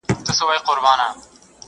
ځان کي مهوه سمه کله چي ځان وینم.